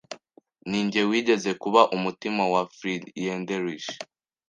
Ninjye wigeze kuba umutima wa Friederich